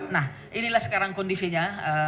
nah inilah sekarang kondisinya